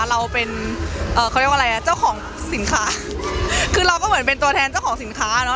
เราเป็นเอ่อเขาเรียกว่าอะไรอ่ะเจ้าของสินค้าคือเราก็เหมือนเป็นตัวแทนเจ้าของสินค้าเนอ